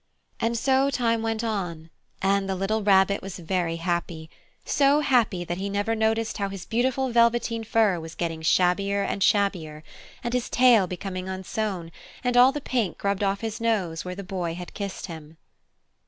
And so time went on, and the little Rabbit was very happy so happy that he never noticed how his beautiful velveteen fur was getting shabbier and shabbier, and his tail becoming unsewn, and all the pink rubbed off his nose where the Boy had kissed him.